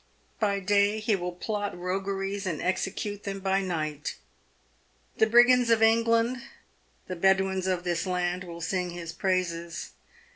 By day he will plot rogueries, and execute them by night. The brigands of England, the Bedouins of this land, will sing his praises.